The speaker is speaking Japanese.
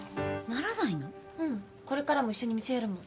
うんこれからも一緒に店やるもん。